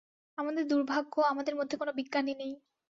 আমাদের দুর্ভাগ্য আমাদের মধ্যে কোনো বিজ্ঞানী নেই।